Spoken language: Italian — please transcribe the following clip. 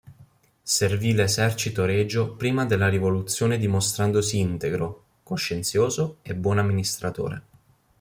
Servì l'esercito regio prima della Rivoluzione dimostrandosi integro, coscienzioso e buon amministratore.